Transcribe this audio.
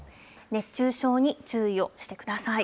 熱中症に注意をしてください。